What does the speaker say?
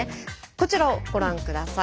こちらをご覧下さい。